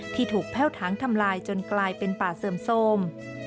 ที่ถูกแพ่วถังทำลายจนกลายเป็นป่าเสื่อมโทรม